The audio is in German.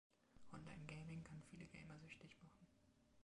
Online-Gaming kann viele Gamer süchtig machen.